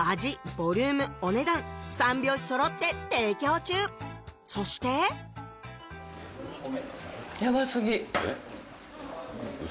ボリュームお値段三拍子そろって提供中そしてヤバすぎえっうそ？